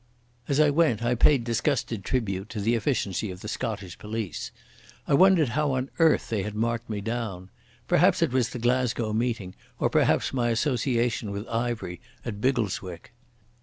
As I went I paid disgusted tribute to the efficiency of the Scottish police. I wondered how on earth they had marked me down. Perhaps it was the Glasgow meeting, or perhaps my association with Ivery at Biggleswick.